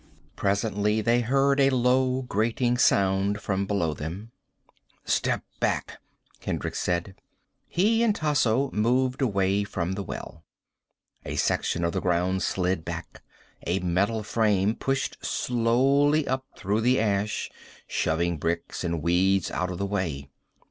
Presently they heard a low grating sound from below them. "Step back," Hendricks said. He and Tasso moved away from the well. A section of the ground slid back. A metal frame pushed slowly up through the ash, shoving bricks and weeds out of the way.